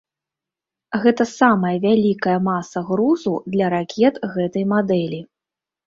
Гэта самая вялікая маса грузу для ракет гэтай мадэлі.